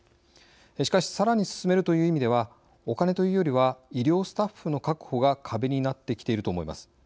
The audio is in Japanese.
しかし、さらに進めるという意味ではお金というよりは医療スタッフの確保が壁になってきていると思います。